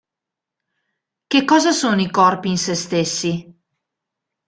Che cosa sono i corpi in se stessi?